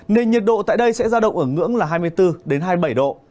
nền nhiệt độ tại đây sẽ ra động ở ngưỡng là hai mươi bốn đến hai mươi bảy độ